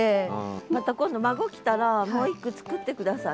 また今度孫来たらもう一句作って下さい。